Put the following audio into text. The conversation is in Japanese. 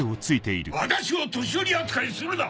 私を年寄り扱いするな！